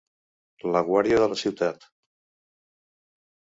La guàrdia de la ciutat.